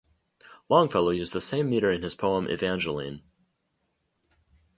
Longfellow used the same meter in his poem "Evangeline".